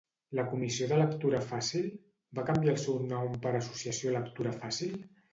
La Comissió de Lectura Fàcil va canviar el seu nom per Associació Lectura Fàcil?